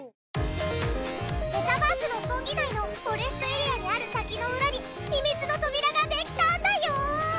メタバース六本木内のフォレストエリアにある滝の裏に秘密の扉ができたんだよ！